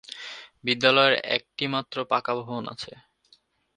বিদ্যালয়ের একটি মাত্র পাকা ভবন আছে।